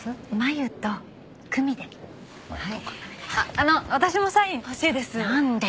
あの私もサイン欲しいです。